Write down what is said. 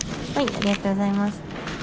ありがとうございます。